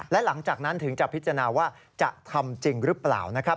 และหลังจากนั้นถึงจะพิจารณาว่าจะทำจริงหรือเปล่านะครับ